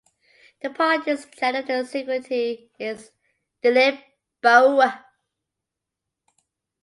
The party's general secretary is Dilip Barua.